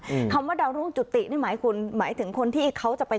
อืมคำว่าดาวรุ่งจุตินี่หมายคุณหมายถึงคนที่เขาจะไป